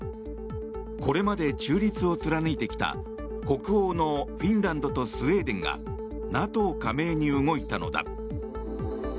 これまで中立を貫いてきた北欧のフィンランドとスウェーデンがＮＡＴＯ加盟に動いたのだ。